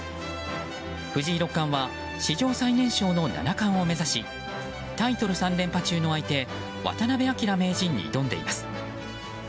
藤井六冠は史上最年少の七冠を目指しタイトル３連覇中の相手渡辺明名人に挑んでいます。